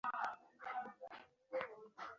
Ĝiaj unuaj loĝantoj estis verŝajne rutenoj.